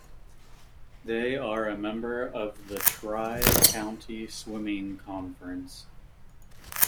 They are a member of the Tri-County Swimming Conference.